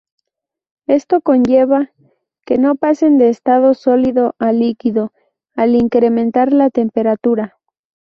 Esto conlleva que no pasen de estado sólido a líquido al incrementar la temperatura.